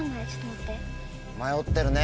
迷ってるね